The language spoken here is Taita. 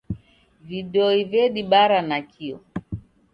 Vidoi vedibara nakio.